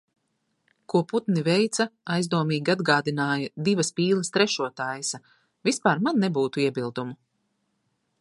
Ko putni veica aizdomīgi atgādināja "divas pīles trešo taisa". Vispār man nebūtu iebildumu.